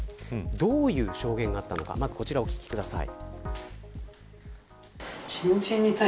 どういう証言があったのかまずこちらをお聞きください。